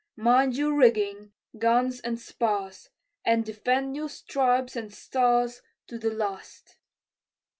Mind your rigging, guns, and spars, And defend your stripes and stars To the last."